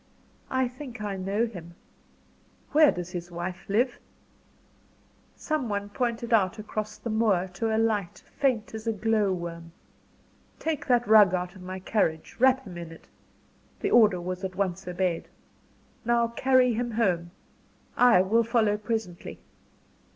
"I think I know him. Where does his wife live?" Some one pointed across the moor, to a light, faint as a glow worm. "Take that rug out of my carriage wrap him in it." The order was at once obeyed. "Now carry him home. I will follow presently."